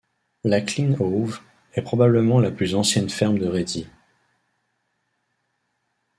La Klyn Hoeve est probablement la plus ancienne ferme de Réthy.